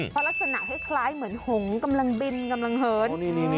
เพราะลักษณะคล้ายเหมือนหงกำลังบินกำลังเหิน